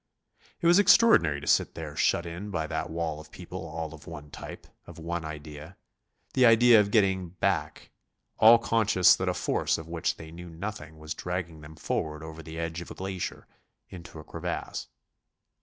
It was extraordinary to sit there shut in by that wall of people all of one type, of one idea; the idea of getting back; all conscious that a force of which they knew nothing was dragging them forward over the edge of a glacier, into a crevasse.